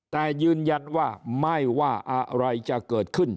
แต่ยืนยันว่าไม่ว่าอะไรจะเกิดขึ้น